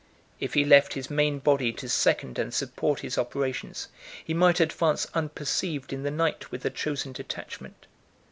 If he left his main body to second and support his operations, he might advance unperceived in the night with a chosen detachment.